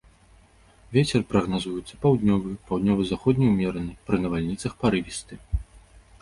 Вецер прагназуецца паўднёвы, паўднёва-заходні ўмераны, пры навальніцах парывісты.